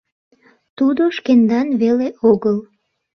Тудо шкендан веле огыл.